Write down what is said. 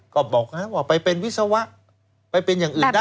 ก็บอกแล้วว่าไปเป็นวิศวะไปเป็นอย่างอื่นได้